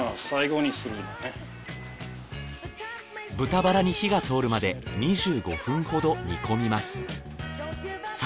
豚バラに火が通るまで２５分ほど煮込みます。